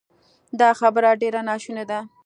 دا خبره ډېره ناشونې ده